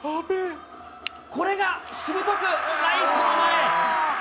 これがしぶとくライトの前へ。